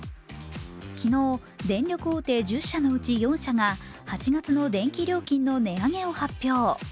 昨日、電力大手１０社のうち４社が８月の電気料金の値上げを発表。